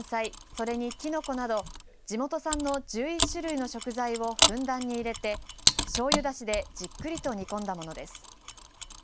それにきのこなど地元産の１１種類の食材をふんだんに入れてしょうゆだしでじっくりと煮込んだものです。